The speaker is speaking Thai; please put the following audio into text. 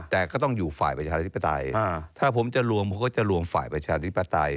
แต่ก็ต้องอยู่ฝ่ายประชาธิปไตยถ้าผมจะรวมผมก็จะรวมฝ่ายประชาธิปไตย